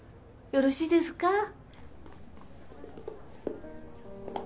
よろしいですか？